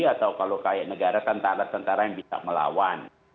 atau kalau kayak negara sentara sentara yang bisa melawan